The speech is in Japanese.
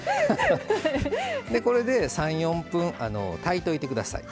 これで３４分炊いといて下さい。